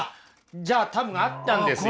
じゃあ多分合ったんですよ。